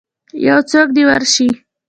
یوڅوک دی ورشئ